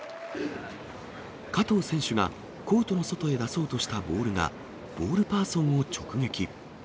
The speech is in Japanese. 加藤選手がコートの外へ出そうとしたボールが、ボールパーソンを直撃。